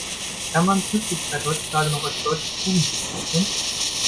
Kann man Pünktlichkeit heutzutage noch als deutsche Tugend bezeichnen?